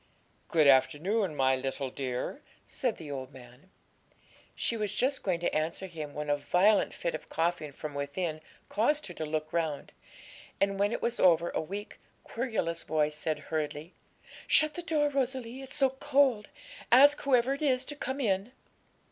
'Good afternoon, my little dear,' said the old man. She was just going to answer him when a violent fit of coughing from within caused her to look round, and when it was over a weak, querulous voice said hurriedly 'Shut the door, Rosalie; it's so cold; ask whoever it is to come in.'